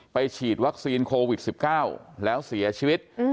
ฉีดวัคซีนโควิด๑๙แล้วเสียชีวิต